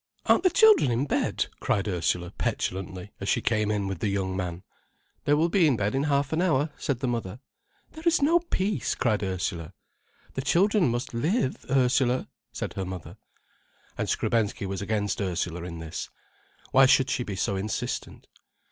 "Aren't the children in bed?" cried Ursula petulantly, as she came in with the young man. "They will be in bed in half an hour," said the mother. "There is no peace," cried Ursula. "The children must live, Ursula," said her mother. And Skrebensky was against Ursula in this. Why should she be so insistent?